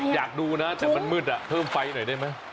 อยากดูนะแต่มันมืดเพิ่มไฟหน่อยได้ไหม